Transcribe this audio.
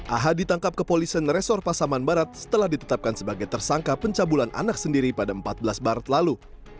aha ditangkap kepolisian resor pasaman barat setelah ditetapkan sebagai tersangka pencabulan anak sendiri pada empat belas barat lalu